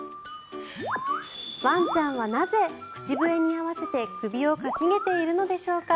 ワンちゃんはなぜ、口笛に合わせて首を傾げているのでしょうか。